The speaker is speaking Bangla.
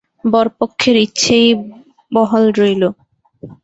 বরপক্ষের ইচ্ছেই বাহাল রইল।